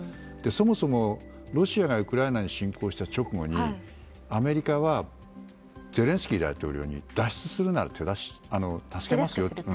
そもそも、ロシアがウクライナに侵攻した直後にアメリカはゼレンスキー大統領に脱出するなら助けますよと。